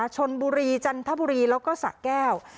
ชนบุรีจันทบุรีแล้วก็สะแก้ว